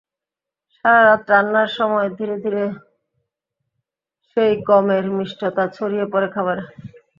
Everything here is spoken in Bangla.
সারা রাত রান্নার সময় ধীরে ধীরে সেই গমের মিষ্টতা ছড়িয়ে পড়ে খাবারে।